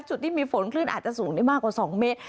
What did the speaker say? จุดที่มีฝนคลื่นอาจจะสูงได้มากกว่า๒เมตร